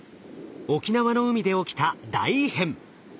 沖縄の海で起きた大異変。